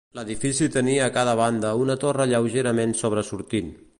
L'edifici tenia a cada banda una torre lleugerament sobresortint.